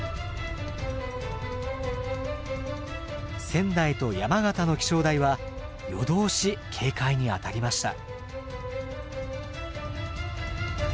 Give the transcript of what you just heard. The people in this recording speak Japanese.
仙台と山形の気象台は夜通し警戒に当たりました。